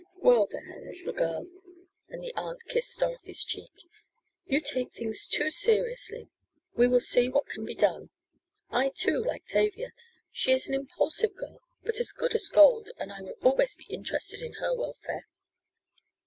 "Well, there, little girl," and the aunt kissed Dorothy's cheek, "you take things too seriously. We will see what can be done. I, too, like Tavia, She is an impulsive girl, but as good as gold, and I will always be interested in her welfare."